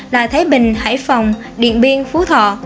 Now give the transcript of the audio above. là thái bình hải phòng điện biên phú thọ